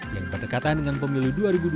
yang berdekatan dengan pemilu dua ribu dua puluh